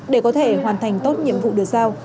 để có thể hoàn thành tốt nhiệm vụ được giao